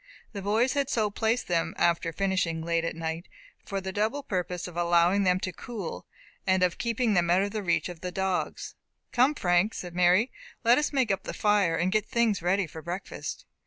The boys had so placed them, after finishing, late at night, for the double purpose of allowing them to cool and of keeping them out of reach of the dogs. "Come, Frank," said Mary, "let us make up the fire, and get things ready for breakfast."